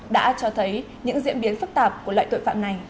đã cho thấy những diễn biến phức tạp của loại tội phạm này